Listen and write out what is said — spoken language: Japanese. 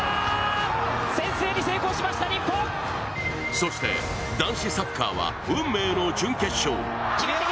そして、男子サッカーは運命の準決勝。